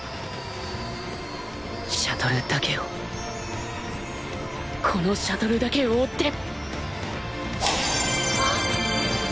シャトルだけをこのシャトルだけを追って